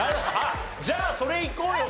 じゃあそれいこうよ